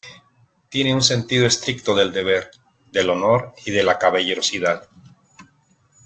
Tiene un sentido estricto del deber, del honor y de la caballerosidad.